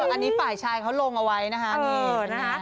อันนี้ฝ่ายชายเขาลงเอาไว้นะฮะ